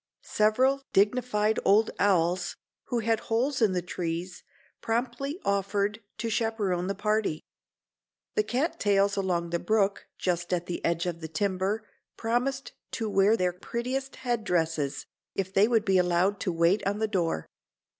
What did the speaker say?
Several dignified old owls, who had holes in the trees, promptly offered to chaperone the party. The cat tails along the brook just at the edge of the timber promised to wear their prettiest head dresses if they would be allowed to wait on the door.